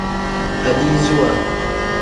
Aliziwa.